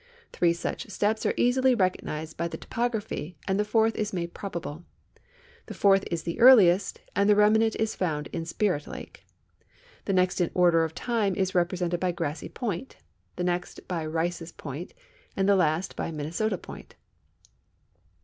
Three such steps are easil}^ recognized by the topography, and the fourth is made probable. The fourth is the earliest, and the remnant is found in Spirit lake. The next in order of time is represented by Grassy point, the next b}^ Rices point, and the latest by Minnesota point.